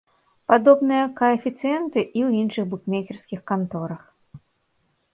Падобныя каэфіцыенты і ў іншых букмекерскіх канторах.